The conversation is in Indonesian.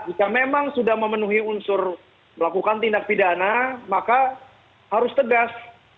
jika memang sudah memenuhi unsur melakukan tindak pidana maka harus tegas